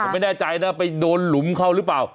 ไม่แน่ใจนะไปโดนหลุมเขาหรือเปล่า